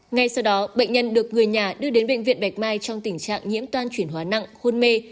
ngay sau đó bệnh nhân được người nhà đưa đến bệnh viện bạch mai trong tình trạng nhiễm toàn truyền hoá nặng hôn mê